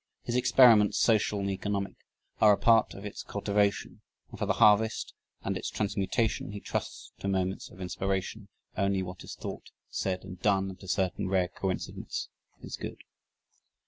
His experiments, social and economic, are a part of its cultivation and for the harvest and its transmutation, he trusts to moments of inspiration "only what is thought, said, and done at a certain rare coincidence is good."